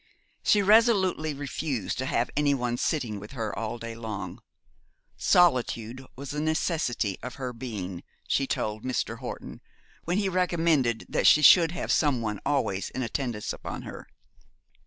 She resolutely refused to have any one sitting with her all day long. Solitude was a necessity of her being, she told Mr. Horton, when he recommended that she should have some one always in attendance upon her.